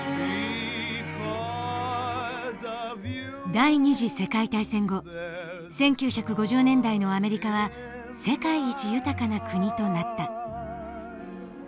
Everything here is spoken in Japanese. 第２次世界大戦後１９５０年代のアメリカは世界一豊かな国となった。